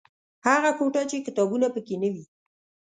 هغه کوټه چې کتابونه پکې نه وي.